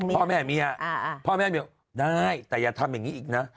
พ่อแม่เมียพ่อแม่เมียได้แต่อย่าทำอย่างนี้อีกนะ